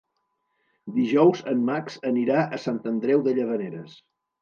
Dijous en Max anirà a Sant Andreu de Llavaneres.